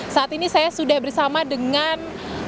saat ini saya sudah bersama dengan